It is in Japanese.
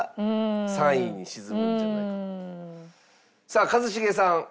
さあ一茂さん。